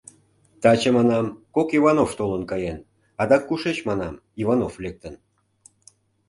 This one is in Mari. Таче, манам, кок Иванов толын каен, адак кушеч, манам, Иванов лектын?